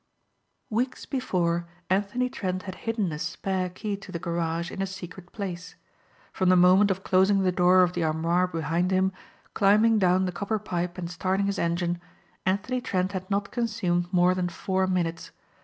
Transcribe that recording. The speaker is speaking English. Weeks before Anthony Trent had hidden a spare key to the garage in a secret place. From the moment of closing the door of the armoire behind him, climbing down the copper pipe and starting his engine, Anthony Trent had not consumed more than four minutes.